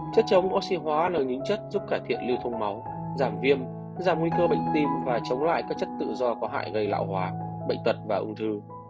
chất chống oxy hóa là những chất giúp cải thiện lưu thông máu giảm viêm giảm nguy cơ bệnh tim và chống lại các chất tự do có hại gây lão hóa bệnh tật và ung thư